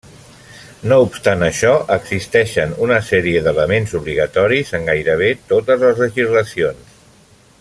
No obstant això, existeixen una sèrie d'elements obligatoris en gairebé totes les legislacions.